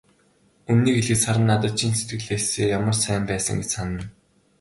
Үнэнийг хэлэхэд, Саран надад чин сэтгэлээсээ ямар сайн байсан гэж санана.